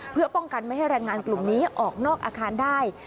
เพื่อป้องกันไม่ให้แรงงานกลุ่มนี้ออกนอกอาคารได้